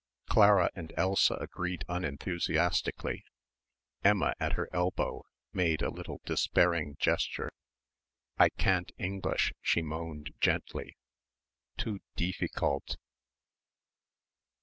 Clara and Elsa agreed unenthusiastically. Emma, at her elbow, made a little despairing gesture, "I can't English," she moaned gently, "too deeficult."